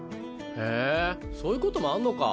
へえそういうこともあんのか。